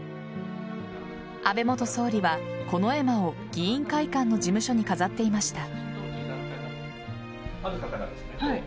安倍元総理はこの絵馬を議員会館の事務所に飾っていました。